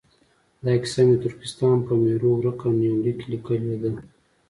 دا کیسه مې د ترکستان په میرو ورکه یونلیک کې لیکلې ده.